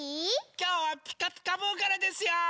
きょうは「ピカピカブ！」からですよ！